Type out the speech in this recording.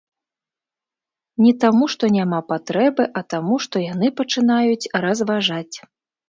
Не таму, што няма патрэбы, а таму, што яны пачынаюць разважаць.